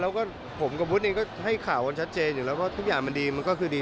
แล้วก็ผมกับวุฒิเองก็ให้ข่าวกันชัดเจนอยู่แล้วก็ทุกอย่างมันดีมันก็คือดี